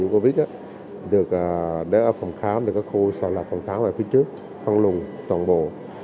bệnh viện dưới covid được đế ở phòng khám có khu sang lọc phòng khám phía trước phân luồn toàn bộ